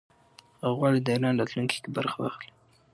هغه غواړي د ایران راتلونکې کې برخه ولري.